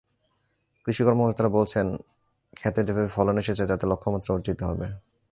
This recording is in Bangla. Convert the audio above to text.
কৃষি কর্মকর্তারা বলছেন, খেতে যেভাবে ফলন এসেছে, তাতে লক্ষ্যমাত্রা অর্জিত হবে।